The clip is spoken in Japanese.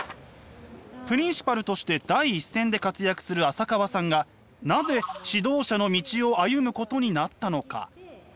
プリンシパルとして第一線で活躍する浅川さんがなぜ指導者の道を歩むことになったのか？